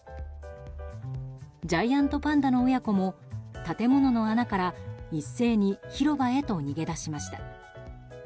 ジャイアントパンダの親子も建物の穴から一斉に広場へと逃げ出しました。